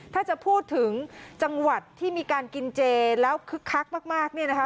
ถ้าจะพูดถึงจังหวัดที่มีการกินเจแล้วคึกคักมากเนี่ยนะคะ